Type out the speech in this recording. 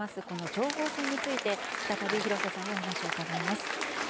この情報戦について再び廣瀬さんにお話を伺います。